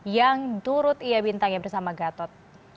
yang turut ia bintangi bersama gatot